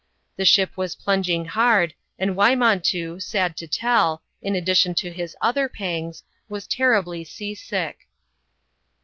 The shij was plunging hard, and Wymontoo, sad to tell, in addition t( his other pangs, was terribly sea sick.